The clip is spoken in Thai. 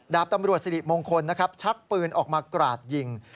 ดาบตำรวจสิริมงคลนะครับชักปืนออกมากราดยิง